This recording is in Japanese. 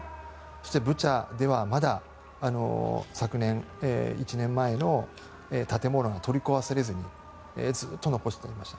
そしてブチャでは１年前の建物が取り壊されずにずっと残してありました。